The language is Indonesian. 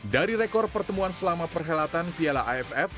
dari rekor pertemuan selama perhelatan piala aff